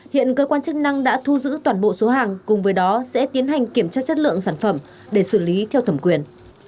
hiện cơ quan chức năng đã thu giữ toàn bộ số hàng cùng với đó sẽ tiến hành kiểm tra chất lượng sản phẩm để xử lý theo thẩm quyền